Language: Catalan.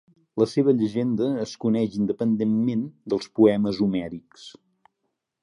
La seva llegenda es coneix independentment dels poemes homèrics.